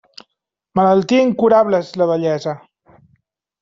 Malaltia incurable és la vellesa.